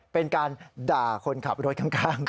เป็นการด่าคนขับรถข้าง